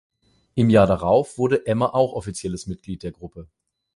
Im Jahr darauf wurde Emma auch offizielles Mitglied der Gruppe.